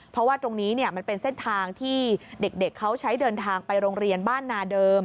เพราะว่าตรงนี้มันเป็นเส้นทางที่เด็กเขาใช้เดินทางไปโรงเรียนบ้านนาเดิม